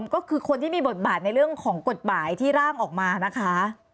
ก็คือคนที่มีบทบาทในเรื่องของกฎหมายที่ร่างออกมานะคะ